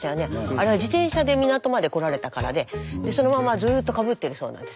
あれは自転車で港まで来られたからでそのままずっとかぶってるそうなんです。